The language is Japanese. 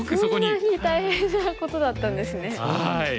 そんなに大変なことだったんですね。